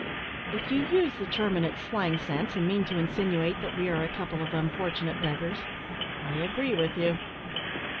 "If you use the term in its slang sense, and mean to insinuate that we are a couple of unfortunate beggars, I agree with you."